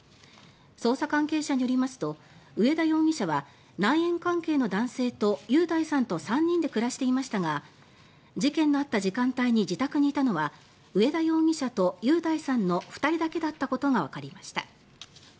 捜査関係者によりますと上田容疑者は内縁関係の男性と雄大さんと３人で暮らしていましたが事件のあった時間帯に自宅にいたのは上田容疑者と雄大さんの２人だけだったことがわかりました。